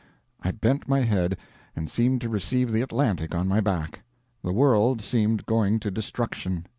I bent my head, and seemed to receive the Atlantic on my back. The world seemed going to destruction.